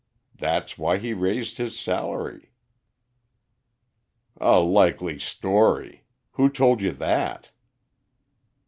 That's why he raised his salary." "A likely story! Who told you that?"